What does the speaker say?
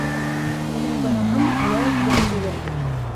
Минең гонаһым улай уҡ ҙур түгел.